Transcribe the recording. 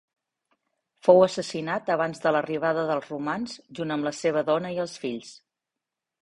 Fou assassinat abans de l'arribada dels romans junt amb la seva dona i els fills.